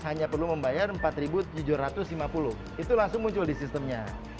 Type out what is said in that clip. hanya perlu membayar empat tujuh ratus lima puluh itu langsung muncul di sistemnya